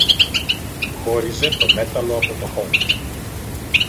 χώριζε το μέταλλο από το χώμα